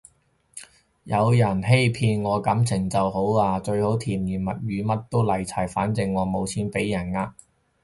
有人欺騙我感情就好啊，最好甜言蜜語乜都嚟齊，反正我冇錢畀人呃